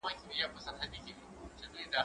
زه مخکي کتابتون ته راتلی و؟!